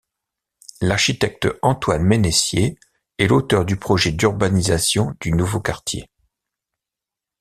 L'architecte Antoine Mennessier est l'auteur du projet d'urbanisation du nouveau quartier.